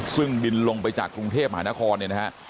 ซึ่งบินลงไปจากกรุงเทพมหานครเนี่ยนะฮะ